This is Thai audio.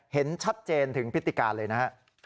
เห็นชัดเจนถึงพฤติการเลยนะฮะ